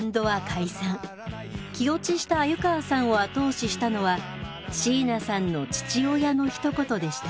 気落ちした鮎川さんを後押ししたのはシーナさんの父親のひと言でした。